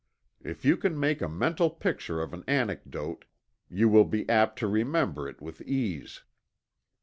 If you can make a mental picture of an anecdote, you will be apt to remember it with ease.